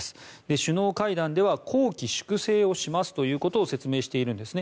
首脳会談では綱紀粛正をしますということを説明しているんですね。